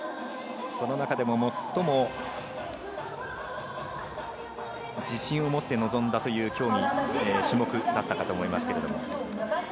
その中でも最も自信を持って臨んだという競技、種目だったかと思います。